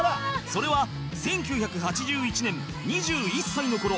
それは１９８１年２１歳の頃